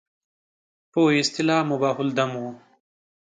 په اصطلاح مباح الدم وو.